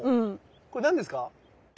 これ何ですか？